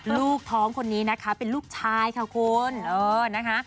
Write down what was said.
ลูกท้องคนนี้นะคะเป็นลูกชายค่ะคุณเออนะคะ